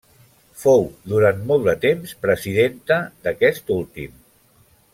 Fou durant molt de temps presidenta d'aquest últim.